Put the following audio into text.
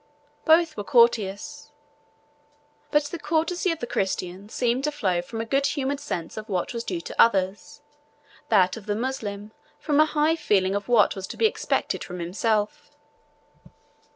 Both were courteous; but the courtesy of the Christian seemed to flow rather from a good humoured sense of what was due to others; that of the Moslem, from a high feeling of what was to be expected from himself.